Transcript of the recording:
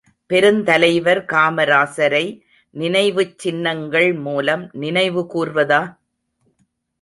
பெருந்தலைவர் காமராசரை நினைவுச் சின்னங்கள் மூலம் நினைவு கூர்வதா?